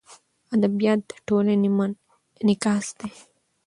ادبیات د ټولنې انعکاس دی.